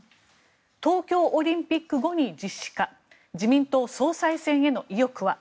東京オリンピック後に実施か自民党総裁選への意欲は？